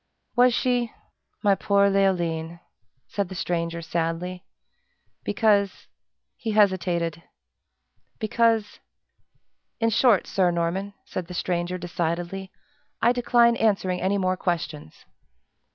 "Was she? My poor Leoline!" said the stranger, sadly. "Because " he hesitated, "because in short, Sir Norman," said the stranger, decidedly, "I decline answering any more questions!"